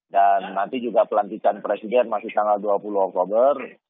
dan nanti juga pelantikan presiden masih tanggal dua puluh oktober